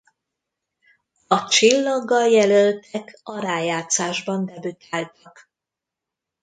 A csillaggal jelöltek a rájátszásban debütáltak.